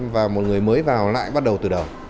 và một người mới vào lại bắt đầu từ đầu